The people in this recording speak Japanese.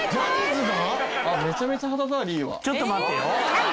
「ちょっと待ってよ」